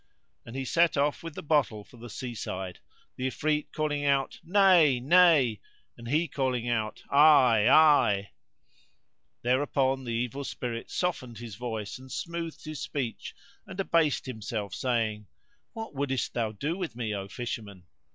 and he set off with the bottle for the sea side; the Ifrit calling out "Nay! Nay!" and he calling out "Aye! Aye !" There upon the Evil Spirit softened his voice and smoothed his speech and abased himself, saying, "What wouldest thou do with me, O Fisherman?"